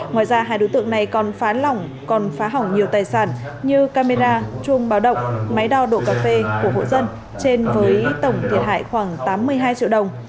ngoài ra hai đối tượng này còn phá lỏng còn phá hỏng nhiều tài sản như camera chuông báo động máy đo độ cà phê của hộ dân trên với tổng thiệt hại khoảng tám mươi hai triệu đồng